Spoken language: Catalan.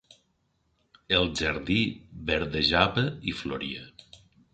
El jardí verdejava i floria.